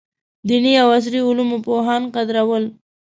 دیني او عصري علومو پوهان قدرول.